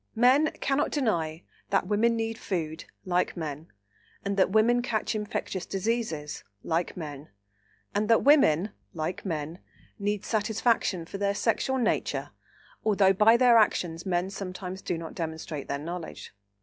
Men cannot deny that women need food, like men, and that women catch infectious diseases, like men, and that women, like men, need satisfaction for their sexual nature, although by their actions men sometimes do not demonstrate their knowledge.